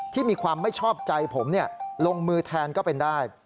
ที่มีความไม่ชอบใจผมลงมือแทนก็เป็นได้